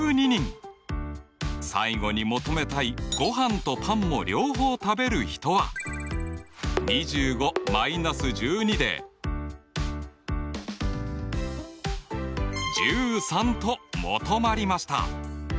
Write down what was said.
最後に求めたいごはんとパンも両方食べる人は２５−１２で１３と求まりました。